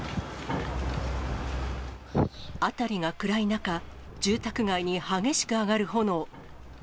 辺りが暗い中、住宅街に激しく上がる炎。